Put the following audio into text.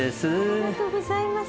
ありがとうございます。